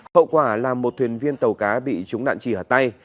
hậu quả là một thuyền viên tàu cá bị trúng đạn trì ở tay